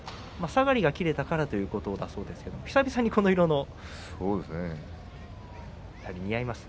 下がりが切れたからということですが久々にこの色です。